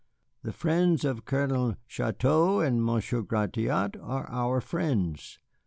The friends of Colonel Chouteau and of Monsieur Gratiot are our friends.